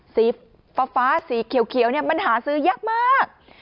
สีฟ้าสีเขียวมันหาซื้อยากมาก